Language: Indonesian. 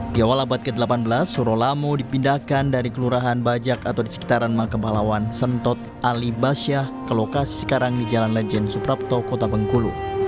di awal abad ke delapan belas suro lamo dipindahkan dari kelurahan bajak atau di sekitaran makam pahlawan sentot alibasyah ke lokasi sekarang di jalan lejen suprapto kota bengkulu